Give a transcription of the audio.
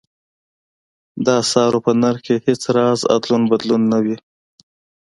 د اسعارو په نرخ کې هېڅ راز ادلون بدلون نه و.